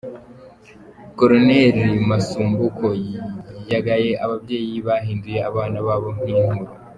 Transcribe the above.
Col Masumbuko yagaye ababyeyi bahinduye abana babo nk’inturo .